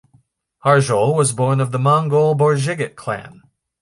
Harjol was born of the Mongol Borjigit clan.